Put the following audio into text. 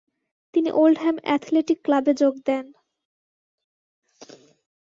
তিনি Oldham Athletic ক্লাবে যোগ দেন।